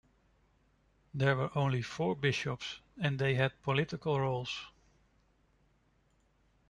There were only four bishops, and they had political roles.